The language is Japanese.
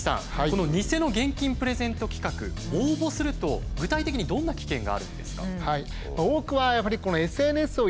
この偽の現金プレゼント企画応募すると具体的にどんな危険があるんですか？